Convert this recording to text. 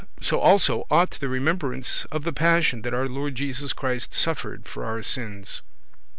So also ought the remembrance of the passion that our Lord Jesus Christ suffered for our sins; 6.